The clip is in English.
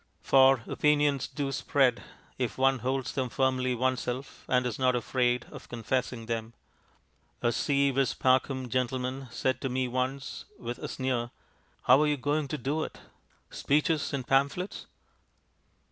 For opinions do spread, if one holds them firmly oneself and is not afraid of confessing them. A si vis pacem gentleman said to me once, with a sneer: "How are you going to do it? Speeches and pamphlets?"